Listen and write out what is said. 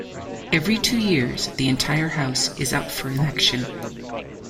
Every two years, the entire House is up for election.